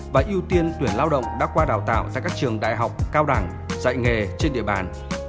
và ưu tiên tuyển lao động đã qua đào tạo tại các trường đại học cao đẳng dạy nghề trên địa bàn